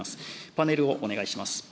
パネルをお願いします。